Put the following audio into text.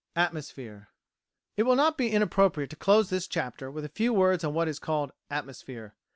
"Atmosphere" It will not be inappropriate to close this chapter with a few words on what is called "atmosphere."